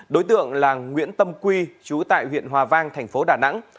đối tượng là nguyễn tâm quy chú tại huyện hòa vang thành phố đà nẵng